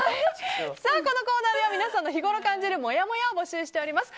このコーナーでは皆さんの日ごろ感じるもやもやを募集しております。